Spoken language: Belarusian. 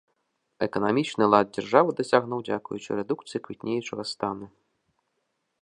Эканамічны лад дзяржавы дасягнуў дзякуючы рэдукцыі квітнеючага стану.